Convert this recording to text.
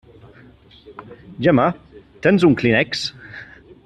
Gemma, tens un clínex?